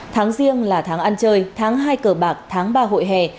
tháng riêng là tháng ăn chơi tháng hai cờ bạc tháng ba hội hè